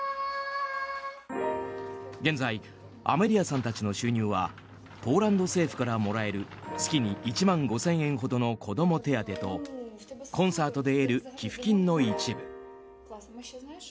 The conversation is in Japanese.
現在、アメリアさんたちの収入はポーランド政府からもらえる月に１万５０００円ほどの子供手当とコンサートで得る寄付金の一部。